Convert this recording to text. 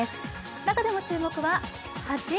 中でも注目は８位。